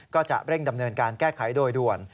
ก็จะเร่งดำเนินการแก้ไขโดยด่วน